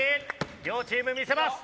両チーム魅せます。